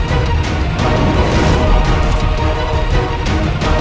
kau akan menangkapnya